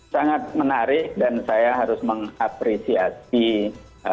sangat menarik dan saya harus mengapresiasi